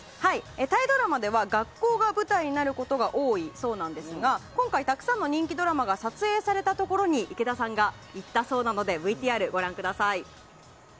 タイドラマでは学校が舞台になることが多いそうなんですが今回たくさんの人気ドラマが撮影されたところに池田さんが行ったそうなのでＶＴＲ、ご覧ください。